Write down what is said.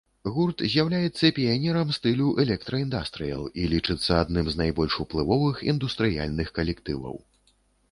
Гурт з'яўляецца піянерам стылю электра-індастрыял і лічыцца адным з найбольш уплывовых індустрыяльных калектываў.